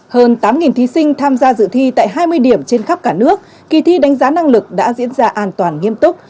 hơn tám thí sinh tham gia dự thi tại hai mươi điểm trên khắp cả nước kỳ thi đánh giá năng lực đã diễn ra an toàn nghiêm túc